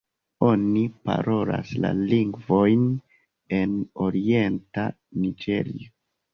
Oni parolas la lingvojn en orienta Niĝerio.